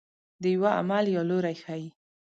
د یوه عمل یا لوری ښيي.